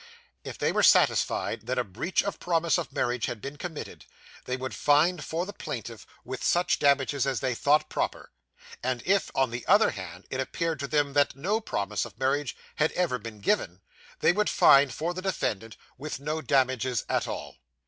If they were satisfied that a breach of promise of marriage had been committed they would find for the plaintiff with such damages as they thought proper; and if, on the other hand, it appeared to them that no promise of marriage had ever been given, they would find for the defendant with no damages at all.